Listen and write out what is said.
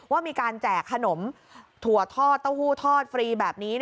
ว่ามีการแจกขนมถั่วทอดเต้าหู้ทอดฟรีแบบนี้